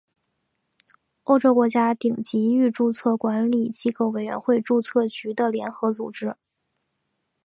欧洲国家顶级域注册管理机构委员会注册局的联合组织。